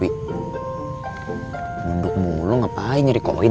wi munduk mulu ngapain nyerecoin